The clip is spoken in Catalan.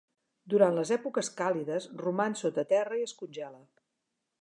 Durant les èpoques càlides roman sota terra i es congela.